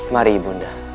mari ibu nda